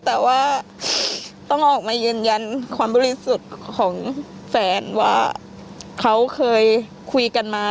แต่ว่าต้องออกมายืนยันความบริสุทธิ์ของแฟนว่าเขาเคยคุยกันมา